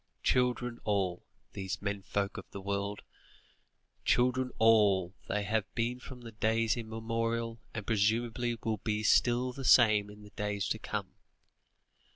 Children all, these men folk of the world! Children all, they have been from days immemorial, and presumably will be still the same in the days to come.